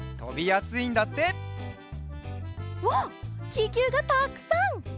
ききゅうがたっくさん！